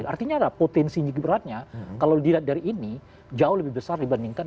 artinya potensi gibran nya kalau dilihat dari ini jauh lebih besar dibandingkan dengan purnomo